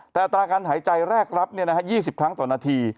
แต่อัตราการหายใจแรกรับ๒๐ครั้งต่อนาที